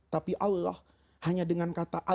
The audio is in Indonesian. tapi allah hanya dengan kata